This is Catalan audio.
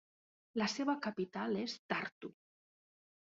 La seva capital és Tartu.